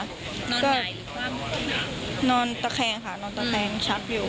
นอนไหนหรือความต้องนานนอนตะแคงค่ะนอนตะแคงชักอยู่